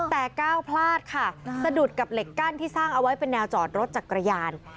แต่ก้าวพลาดค่ะสะดุดกับเหล็กกั้นที่สร้างเอาไว้เป็นแนวจอดรถจักรยาน